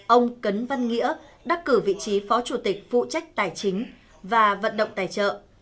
ông cấn văn nghĩa đắc cử vị trí phó chủ tịch phụ trách tài chính và vận động tài trợ